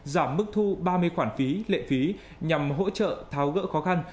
giảm mức thu ba mươi khoản phí lệ phí nhằm hỗ trợ tháo gỡ khó khăn